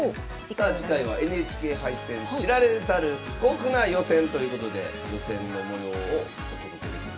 さあ次回は「ＮＨＫ杯戦“知られざる過酷な予選”」ということで予選の模様をお届けできるんですよね。